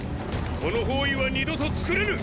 この包囲は二度と作れぬ！